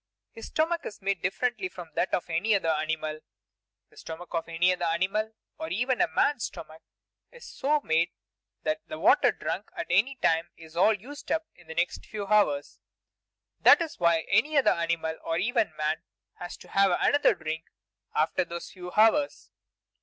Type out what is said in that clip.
His stomach is made differently from that of any other animal. The stomach of any other animal, Or even a man's stomach, is so made that the water drunk at any time is all used up in the next few hours; that is why any other animal, or even a man, has to have another drink after those few hours.